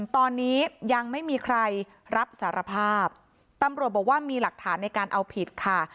ตอนนี้ยังไม่มีใครรับสารภาพตำรวจบอกว่ามีหลักฐานในการเอาผิดค่ะ